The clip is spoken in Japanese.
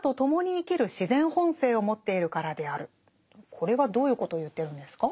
これはどういうことを言ってるんですか？